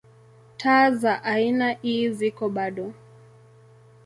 Taa za aina ii ziko bado.